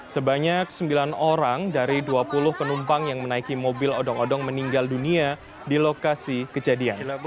sebanyak sembilan orang dari dua puluh penumpang yang menaiki mobil odong odong meninggal dunia di lokasi kejadian